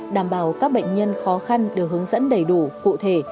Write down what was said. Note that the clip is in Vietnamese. đảm bảo các bệnh nhân khó khăn được hướng dẫn đầy đủ cụ thể